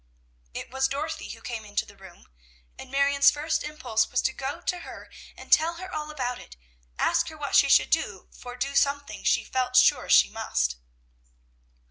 It was Dorothy who came into the room; and Marion's first impulse was to go to her and tell her all about it, ask her what she should do, for do something she felt sure she must.